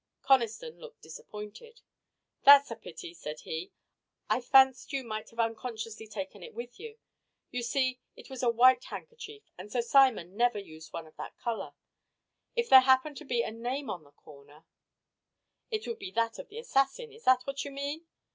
Conniston looked disappointed. "That's a pity," said he. "I fancied you might have unconsciously taken it with you. You see, it was a white handkerchief and Sir Simon never used one of that color. If there happened to be a name on the corner " "It would be that of the assassin. Is that what you mean?"